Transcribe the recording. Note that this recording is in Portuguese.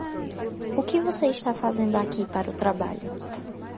O que você está fazendo aqui para o trabalho?